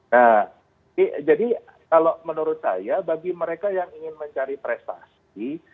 nah jadi kalau menurut saya bagi mereka yang ingin mencari prestasi